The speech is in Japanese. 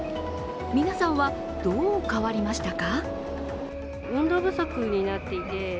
皆さんはどう変わりましたか？